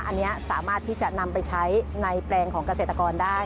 อันนี้สามารถที่จะนำไปใช้ในแปลงของเกษตรกรได้